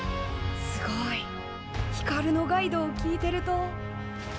すごいひかるのガイドを聞いてると。